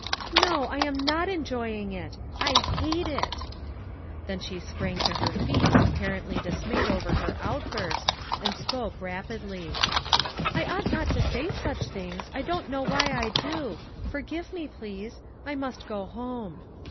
"No, I am not enjoying it; I hate it." Then she sprang to her feet apparently dis mayed over her outburst, and spoke rapidly. "I ought not to say such things, I don't know why I do; forgive me, please. I must go home."